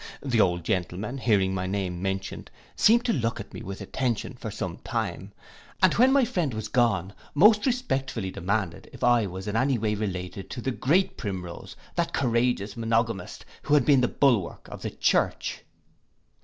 The old gentleman, hearing my name mentioned, seemed to look at me with attention, for some time, and when my friend was gone, most respectfully demanded if I was any way related to the great Primrose, that courageous monogamist, who had been the bulwark of the church.